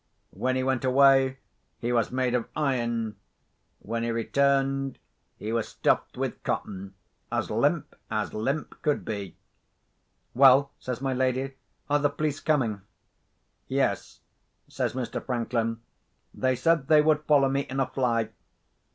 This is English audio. When he went away, he was made of iron. When he returned, he was stuffed with cotton, as limp as limp could be. "Well," says my lady, "are the police coming?" "Yes," says Mr. Franklin; "they said they would follow me in a fly.